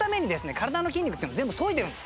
体の筋肉っていうのは全部そいでるんです